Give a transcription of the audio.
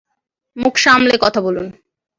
মুখ সামলে কথা বলুন!